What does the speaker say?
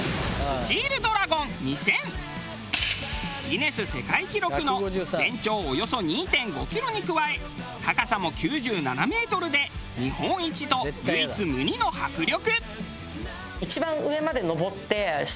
ギネス世界記録の全長およそ２．５キロに加え高さも９７メートルで日本一と唯一無二の迫力。